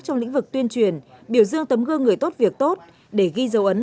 trong lĩnh vực tuyên truyền biểu dương tấm gương người tốt việc tốt để ghi dấu ấn